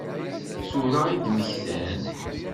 Tura i d-mmektan?